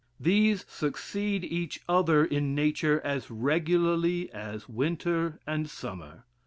These succeed each other in nature as regularly as winter and summer.